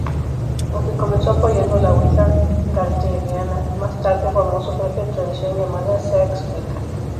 Aunque comenzó apoyando la Wicca gardneriana, más tarde formó su propia tradición llamada Seax-Wica.